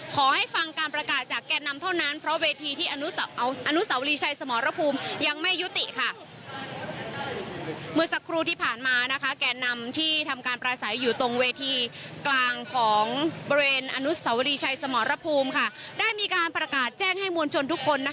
กลางของบริเวณอนุสสวรีชัยสมรภูมิได้มีการประกาศแจ้งให้มวลชนทุกคน